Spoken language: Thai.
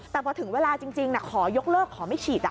แต่พอถึงเวลาจริงขอยกเลิกขอไม่ฉีด